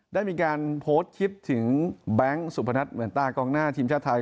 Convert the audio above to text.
ได้มีการโพสต์คิดถึงแบงค์สุพนัทเหมือนตากองหน้าทีมชาติไทย